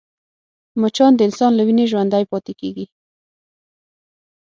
مچان د انسان له وینې ژوندی پاتې کېږي